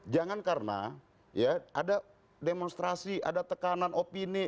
jangan karena ya ada demonstrasi ada tekanan opini